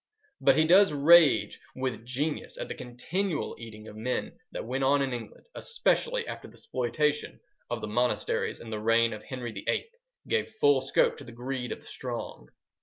But he does rage with genius at the continual eating of men that went on in England, especially after the spoliation of the monasteries in the reign of Henry the Eighth gave full scope to the greed of the strong.